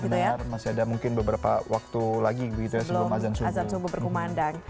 benar masih ada mungkin beberapa waktu lagi sebelum azan sumbu berkumandang